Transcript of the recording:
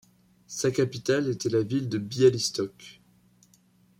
Sa capitale était la ville de Białystok.